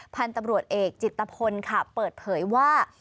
พันธุ์ตำรวจเอกจิตพลค่ะเปิดเผยว่า